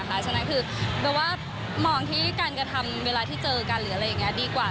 บอกว่ามองที่การกระทำเวลาที่เจอกันหรืออะไรเงี้ยดีกว่า